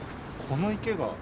この池が？